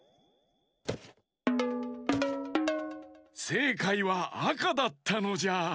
せいかいはあかだったのじゃ。